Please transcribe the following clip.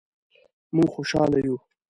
مونږ خوشحاله یو